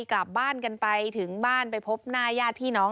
กลับบ้านกันไปถึงบ้านไปพบหน้าญาติพี่น้อง